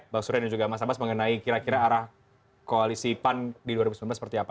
bang surya dan juga mas abbas mengenai kira kira arah koalisi pan di dua ribu sembilan belas seperti apa